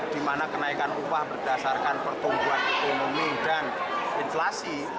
dimana kenaikan upah berdasarkan pertumbuhan ekonomi dan inflasi